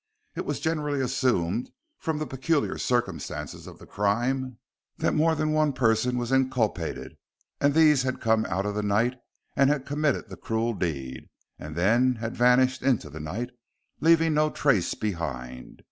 It was generally assumed, from the peculiar circumstances of the crime, that more than one person was inculpated, and these had come out of the night, had committed the cruel deed, and then had vanished into the night, leaving no trace behind.